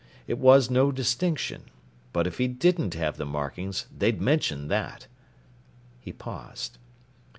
It was no distinction. But if he didn't have the markings, they'd mention that!" He paused.